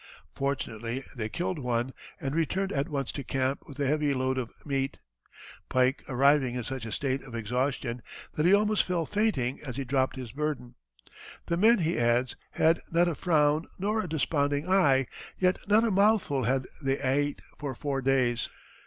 Fortunately they killed one and returned at once to camp with a heavy load of meat, Pike arriving in such a state of exhaustion that he almost fell fainting as he dropped his burden. "The men," he adds, had "not a frown, nor a desponding eye yet not a mouthful had they ate for four days."